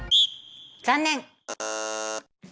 残念！